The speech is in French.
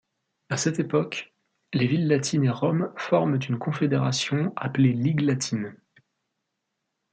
À cette époque, les villes latines et Rome forment une confédération appelée Ligue latine.